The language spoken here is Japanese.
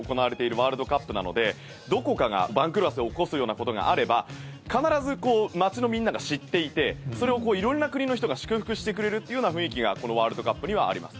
ワールドカップなのでどこかが番狂わせを起こすようなことがあれば必ず街のみんなが知っていてそれを色んな国の人が祝福してくれるというような雰囲気がこのワールドカップにはあります。